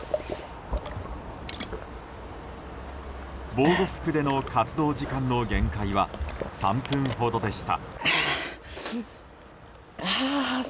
防護服での活動時間の限界は３分ほどでした。